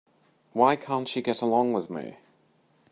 Why can't she get along with me?